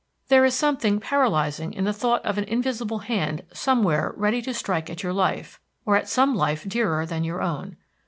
There is something paralyzing in the thought of an invisible hand somewhere ready to strike at your life, or at some life dearer than your own.